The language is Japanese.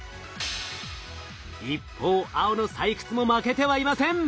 一方青の採掘も負けてはいません。